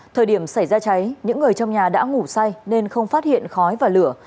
thời điểm xảy ra cháy những người trong nhà đã ngủ say nên không phát hiện khói và lửa